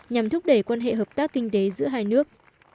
nhằm thúc đẩy quan hệ hợp tác kinh tế giữa hai nước